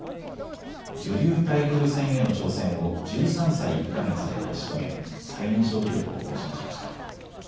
女流タイトル戦への挑戦を１３歳１か月で成し遂げ最年少記録を更新しました。